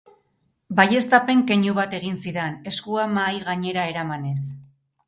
Baieztapen keinu bat egin zidan, eskua mahai gainera eramanez.